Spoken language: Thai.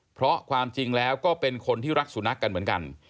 เพราะความจริงแล้วก็เป็นคนที่รักสุนัขกันเหมือนกัน